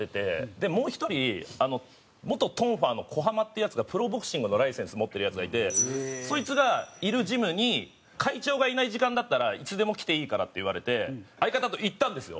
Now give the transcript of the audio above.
でもう１人元トンファーの小浜ってヤツがプロボクシングのライセンス持ってるヤツがいてそいつがいるジムに「会長がいない時間だったらいつでも来ていいから」って言われて相方と行ったんですよ。